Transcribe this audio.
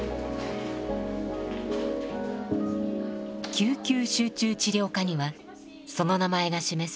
救急集中治療科にはその名前が示す